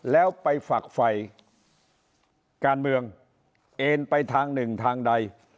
แล้วไปฝักไฟการเมืองเอ็นไปทางหนึ่งทางใด